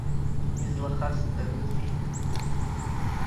Излахасҵарызеи.